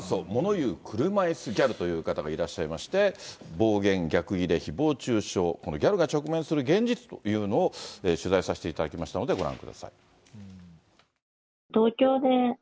そして元祖、物言う車いすギャルという方もいまして、暴言、逆切れ、ひぼう中傷、このギャルが直面する現実というのを取材させていただきましたので、ご覧ください。